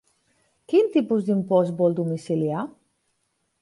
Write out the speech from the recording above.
Quin tipus d'impost vol domiciliar?